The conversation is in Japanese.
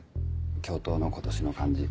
教頭の「今年の漢字」。